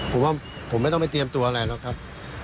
ผมว่าผมไม่ต้องไปเตรียมตัวอะไรหรอกครับ